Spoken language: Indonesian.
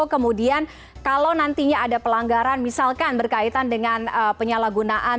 kemudian kalau nantinya ada pelanggaran misalkan berkaitan dengan penyalahgunaan